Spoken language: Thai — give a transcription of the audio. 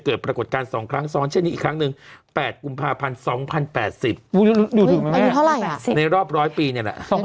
เกินครึ่งชีวิตแล้วนะภาพนี้ของเขา